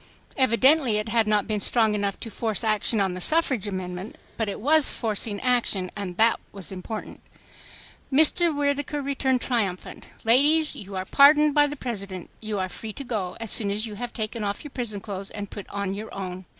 Evidently it had not been strong enough to force action on the suffrage amendment, but it was forcing action, and that was important. Mr. Whittaker returned triumphant. "Ladies, you are pardoned by the President. You are free to go as soon as you have taken off your prison clothes and put on your own."